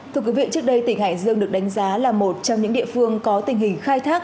thưa quý vị trước đây tỉnh hải dương được đánh giá là một trong những địa phương có tình hình khai thác